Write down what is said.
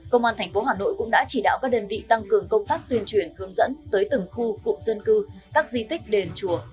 công an tp hà nội cũng đã chỉ đạo các đơn vị tăng cường công tác tuyên truyền hướng dẫn tới từng khu cụm dân cư các di tích đền chùa